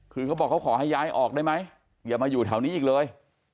คือเขาบอกเขาขอให้ย้ายออกได้ไหมอย่ามาอยู่แถวนี้อีกเลย